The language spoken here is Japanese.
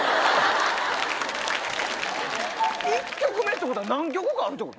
１曲目ってことは何曲かある？